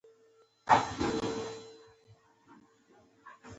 کله چې مایع نور حرکت نه کوي درجه یې ولولئ.